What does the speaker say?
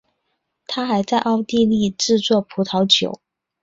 他还在奥地利制作葡萄酒。